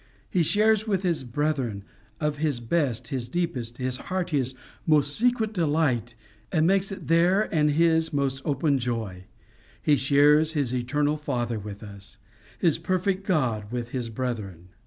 He shares with his brethren of his best, his deepest, his heartiest, most secret delight, and makes it their and his most open joy: he shares his eternal Father with us, his perfect God with his brethren.